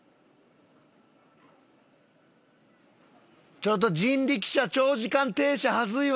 ちょっと人力車長時間停車恥ずいわ。